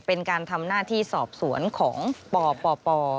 เป็นการทำหน้าที่สอบสวนของปป